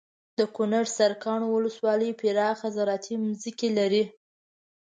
دکنړ سرکاڼو ولسوالي پراخه زراعتي ځمکې لري